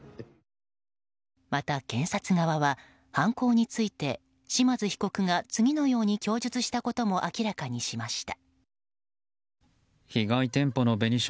また検察側は犯行について嶋津被告が次のように供述したことも明らかにしました。